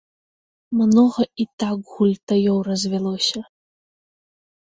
Многа і так гультаёў развялося!